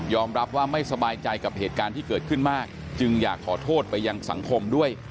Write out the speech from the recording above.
รับว่าไม่สบายใจกับเหตุการณ์ที่เกิดขึ้นมากจึงอยากขอโทษไปยังสังคมด้วย